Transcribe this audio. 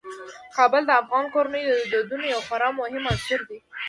کابل د افغان کورنیو د دودونو یو خورا مهم عنصر دی.